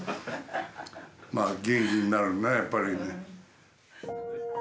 元気になるねやっぱりね。